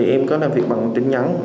em có làm việc bằng tin nhắn